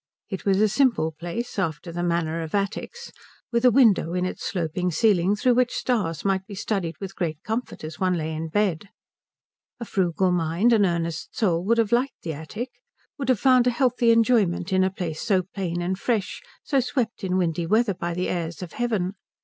It was a simple place, after the manner of attics, with a window in its sloping ceiling through which stars might be studied with great comfort as one lay in bed. A frugal mind, an earnest soul, would have liked the attic, would have found a healthy enjoyment in a place so plain and fresh, so swept in windy weather by the airs of heaven.